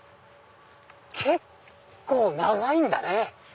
結構長いんだね。